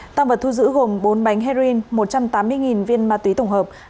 tăng vật thu giữ gồm bốn bánh heroin một trăm tám mươi viên ma túy tổng hợp